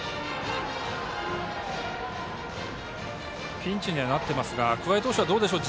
ピンチにはなっていますが桑江投手はどうでしょう。